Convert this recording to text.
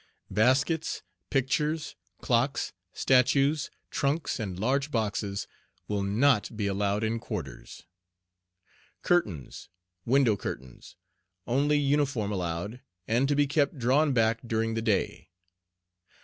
Baskets, Pictures, Clocks, Statues, Trunks, and large Boxes will NOT be allowed in quarters. Curtains WINDOW CURTAINS Only uniform allowed, and to be kept drawn back during the day.